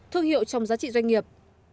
thương hiệu trong giá trị doanh nghiệp